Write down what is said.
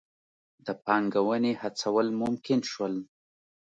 د پانګونې هڅول ممکن شول.